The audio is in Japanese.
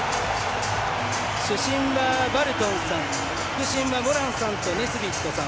主審はバルトンさん副審はモランさんとネスビットさん。